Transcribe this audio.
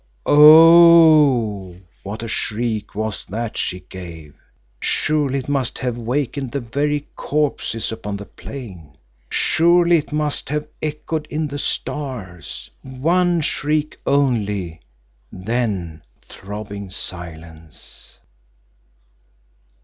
Oh! what a shriek was that she gave! Surely it must have wakened the very corpses upon the plain. Surely it must have echoed in the stars. One shriek only then throbbing silence.